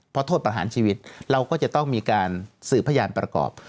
เพราะโทษประหารชีวิตเราก็จะต้องมีการสืบพยานประกอบ